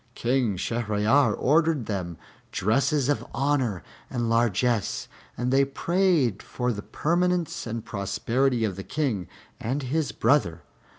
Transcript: King Shahryar ordered them dresses of honor and largesse, and they prayed for the permanence and prosperity of the King and his brother.